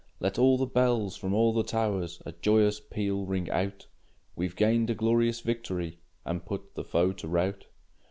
Let all the bells from all the towers A joyous peal ring out; We've gained a glorious victory, And put the foe to rout!